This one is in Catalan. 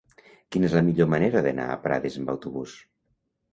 Quina és la millor manera d'anar a Prades amb autobús?